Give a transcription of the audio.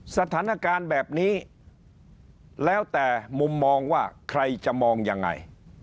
สถานการณ์แบบนี้แล้วแต่มุมมองว่าใครจะมองยังไง